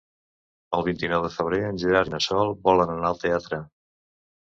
El vint-i-nou de febrer en Gerard i na Sol volen anar al teatre.